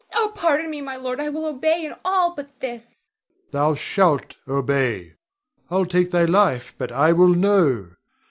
Oh, pardon me, my lord; I will obey in all but this. Rod. Thou shalt obey. I'll take thy life but I will know.